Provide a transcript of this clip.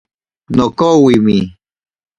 Nokowimi.